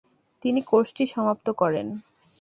তিনি কোর্সটি সমাপ্ত করেন।